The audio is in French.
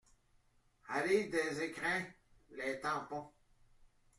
Allée des Ecrins, Le Tampon